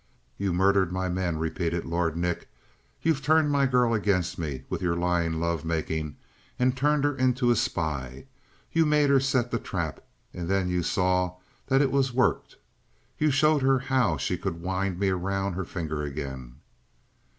"You murdered my men," repeated Lord Nick. "You turned my girl against me with your lying love making and turned her into a spy. You made her set the trap and then you saw that it was worked. You showed her how she could wind me around her finger again."